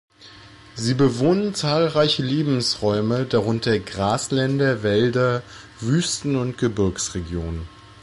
Sie bewohnen zahlreiche Lebensräume, darunter Grasländer, Wälder, Wüsten und Gebirgsregionen.